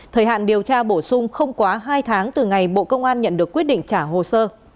thời hạn điều tra bổ sung không quá hai tháng từ ngày bộ công an nhận được quyết định trả hồ sơ